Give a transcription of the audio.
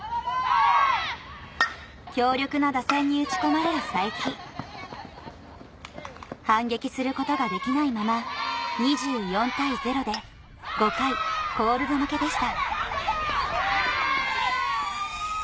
・強力な打線に打ち込まれる佐伯反撃することができないまま２４対０で５回コールド負けでした